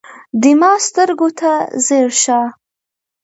د ما سترګو ته ځیر شه